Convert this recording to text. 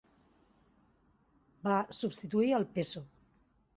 Va substituir el peso.